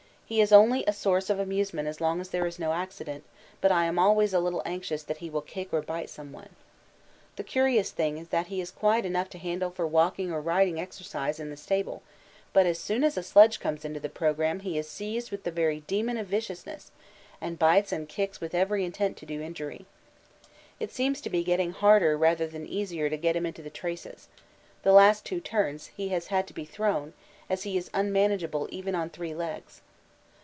He is only a source of amusement as long as there is no accident, but I am always a little anxious that he will kick or bite someone. The curious thing is that he is quiet enough to handle for walking or riding exercise or in the stable, but as soon as a sledge comes into the programme he is seized with a very demon of viciousness, and bites and kicks with every intent to do injury. It seems to be getting harder rather than easier to get him into the traces; the last two turns, he has had to be thrown, as he is unmanageable even on three legs.